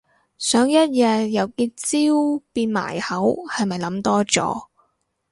想一日由結焦變埋口係咪諗多咗